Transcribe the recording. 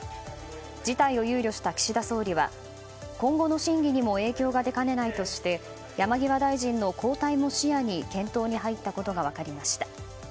事態を憂慮した岸田総理は今後の審議にも影響が出かねないとして山際大臣の交代も視野に検討に入ったことが分かりました。